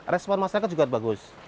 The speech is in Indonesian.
respon masyarakat juga bagus